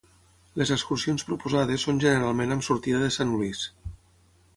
Les excursions proposades són generalment amb sortida de Saint-Louis.